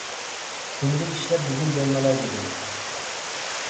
تۈنۈگۈن ئىشلەپ، بۈگۈن دەم ئالاي دېدىم.